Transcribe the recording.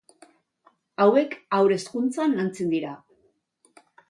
Hauek haur hezkuntzan lantzen dira.